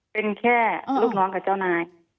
เป็นแค่ลูกน้องกับเจ้านาย